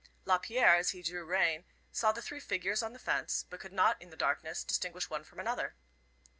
Lapierre, as he drew rein, saw the three figures on the fence, but could not in the darkness, distinguish one from, another.